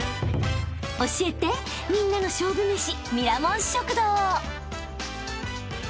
［教えてみんなの勝負めし］